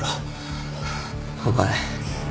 お前